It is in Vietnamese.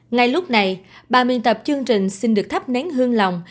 ngay lúc này bà miên tập chương trình xin được thắp nén hương lòng